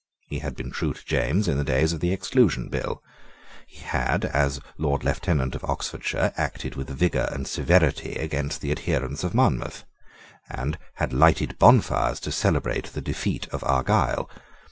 He had been true to James in the days of the Exclusion Bill. He had, as Lord Lieutenant of Oxfordshire, acted with vigour and severity against the adherents of Monmouth, and had lighted bonfires to celebrate the defeat of Argyle.